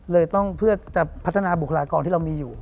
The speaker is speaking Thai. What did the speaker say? เลยต้องเพื่อจะพัฒนาบุคลากรที่เรามีอยู่